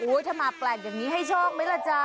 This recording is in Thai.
โอ้ยถ้ามาแปลกอย่างนี้ให้ช่องมั้ยล่ะจ๊ะ